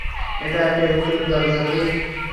এটা একটা ইলেক্ট্রিক দরজা, ঠিক?